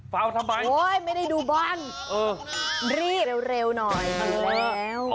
ฟาวทำไมโอ๊ยไม่ได้ดูบ้านรีบเร็วหน่อยเดี๋ยวแล้ว